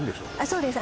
そうです